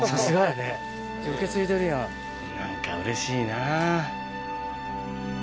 何かうれしいな。